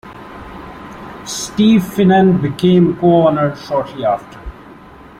Steve Finan became co-owner shortly after.